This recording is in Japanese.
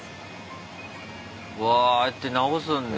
うわああやって直すんだ。